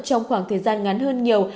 trong khoảng thời gian ngắn hơn nhiều